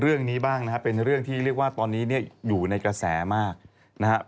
เรื่องนี้บ้างนะครับเป็นเรื่องที่เรียกว่าตอนนี้เนี่ยอยู่ในกระแสมากนะครับ